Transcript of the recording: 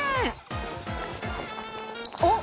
おっ！